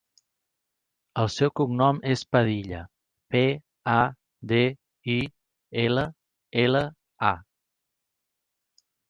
El seu cognom és Padilla: pe, a, de, i, ela, ela, a.